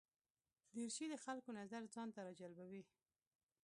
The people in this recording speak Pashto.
دریشي د خلکو نظر ځان ته راجلبوي.